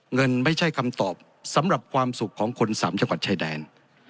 เงินไม่ใช่คำตอบสำหรับความสุขของคนสามจังหวัดชายแดน